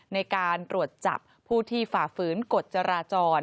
ในการตรวจจับผู้ที่ฝ่าฝืนกฎจราจร